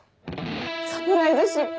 サプライズ失敗。